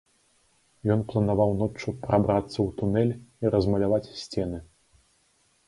Ён планаваў ноччу прабрацца ў тунэль і размаляваць сцены.